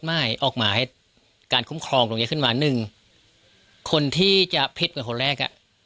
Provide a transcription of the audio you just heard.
ม่ายออกมาให้การคุ้มครองตรงนี้ขึ้นมาหนึ่งคนที่จะพิษกับคนแรกอ่ะ